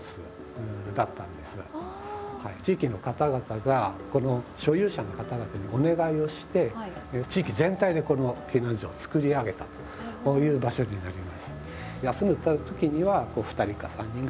地域の方々がこの所有者の方々にお願いをして地域全体でこの避難所を作り上げたという場所になります。